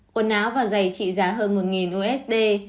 quần áo và giày trị giá hơn một usd